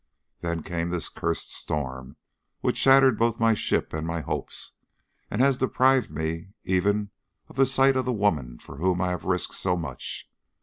Then came this cursed storm which shattered both my ship and my hopes, and has deprived me even of the sight of the woman for whom I have risked so much.